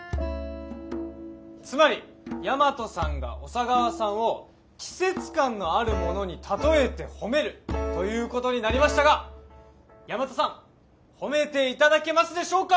つまり大和さんが小佐川さんを季節感のあるものに例えて褒めるということになりましたが大和さん褒めて頂けますでしょうか。